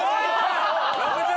６０！